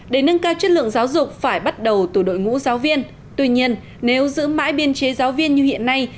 để nâng cao chất lượng giáo dục phải bắt đầu từ đội ngũ giáo viên tuy nhiên nếu giữ mãi biên chế giáo viên như hiện nay